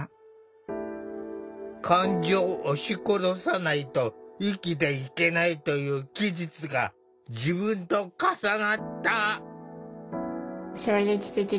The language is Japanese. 「感情を押し殺さないと生きていけない」という記述が自分と重なった。